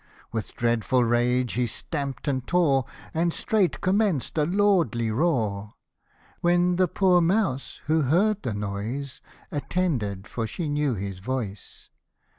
With dreadful rage he stampt and tore, And straight commenced a lordly roar; When the poor mouse, who heard the noise, Attended, for she knew his voice.